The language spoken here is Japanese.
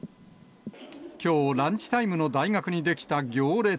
きょう、ランチタイムの大学に出来た行列。